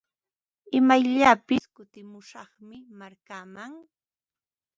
Imayllapis kutimushaqmi markaaman.